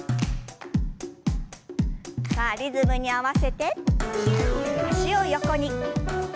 さあリズムに合わせて脚を横に。